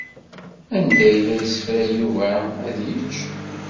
Anda i la yessefray Yuba ad yečč?